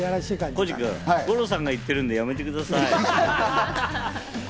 浩次さん、五郎さんが言ってるんで、やめてください。